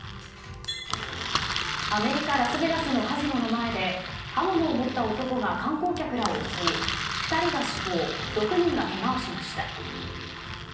アメリカ・ラスベガスのカジノの前で刃物を持った男が観光客らを襲い２人が死亡６人がけがをしました。